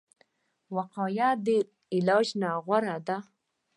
وقایه د علاج نه غوره ده